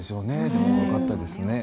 でもよかったですね。